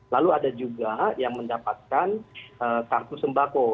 lalu ada juga yang mendapatkan kartu sembako